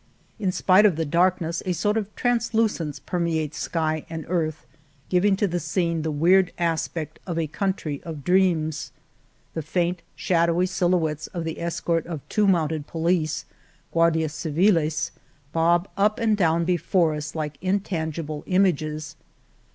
In spite of the darkness, a sort of translucence perme ates sky and earth, giving to the scene the weird aspect of a country of dreams. The faint, shadowy silhouettes of the escort of two mounted police, " Guardias Civiles," bob up and down before us like intangible im ages.